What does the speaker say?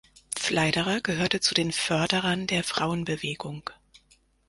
Pfleiderer gehörte zu den Förderern der Frauenbewegung.